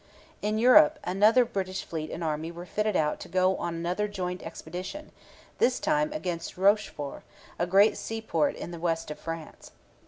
In Europe another British fleet and army were fitted out to go on another joint expedition, this time against Rochefort, a great seaport in the west of France.